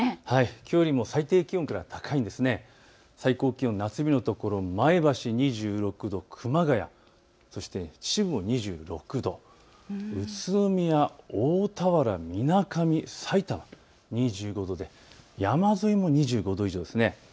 きょうよりも最低気温から高いです、最高気温前橋２６度、熊谷、秩父も２６度、宇都宮、大田原、みなかみ、さいたま２５度で、山沿いも２５度以上ですね。